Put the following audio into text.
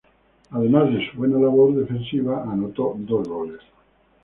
Además de su buena labor defensiva, anotó dos goles.